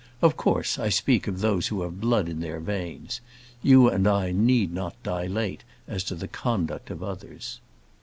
Of course, I speak of those who have blood in their veins. You and I need not dilate as to the conduct of others.